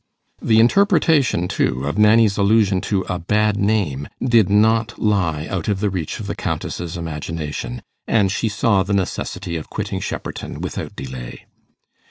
The interpretation too of Nanny's allusion to a 'bad name' did not lie out of the reach of the Countess's imagination, and she saw the necessity of quitting Shepperton without delay.